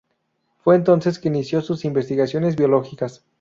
Fue entonces que inició sus investigaciones biológicas.